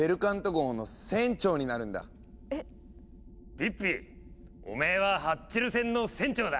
ピッピおめえはハッチェル船の船長だ。